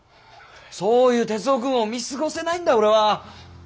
そういう徹生君を見過ごせないんだ俺は。